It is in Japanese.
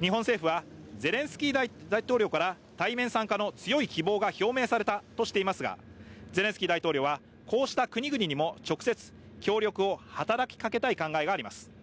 日本政府はゼレンスキー大統領から対面参加の強い希望が表明されたとしていますがゼレンスキー大統領は、こうした国々にも直接協力を働きかけたい考えがあります。